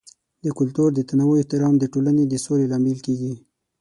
د کلتور د تنوع احترام د ټولنې د سولې لامل کیږي.